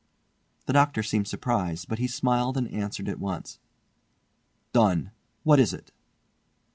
The doctor seemed surprised, but he smiled and answered at once, "Done! What is it?"